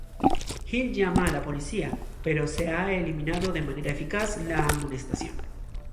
Hill llama a la policía, pero se ha eliminado de manera eficaz la amonestación.